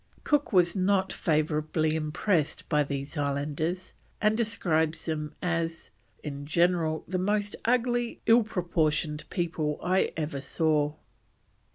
Cook was not favourably impressed by these islanders, and describes them as "in general, the most ugly ill proportioned people I ever saw."